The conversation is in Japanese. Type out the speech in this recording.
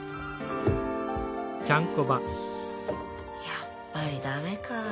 やっぱり駄目か。